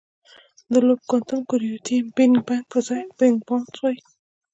د لوپ کوانټم ګرویټي بګ بنګ پر ځای بګ باؤنس وایي.